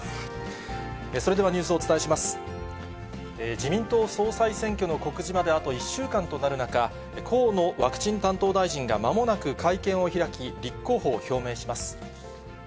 自民党総裁選挙の告示まであと１週間となる中、河野ワクチン担当大臣がまもなく会見を開き、立候補を表明します。